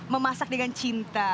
memasak dengan cinta